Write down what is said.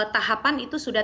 tahapan itu sudah